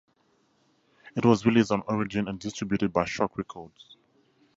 It was released on Origin and distributed by Shock Records.